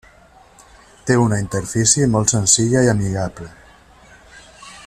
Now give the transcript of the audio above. Té una interfície molt senzilla i amigable.